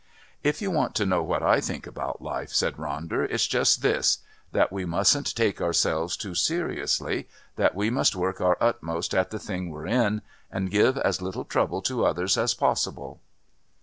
"If you want to know what I think about life," said Ronder, "it's just this that we mustn't take ourselves too seriously, that we must work our utmost at the thing we're in, and give as little trouble to others as possible."